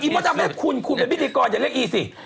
มดดำเรียกคุณคุณเป็นพิธีกรอย่าเรียกอีสิ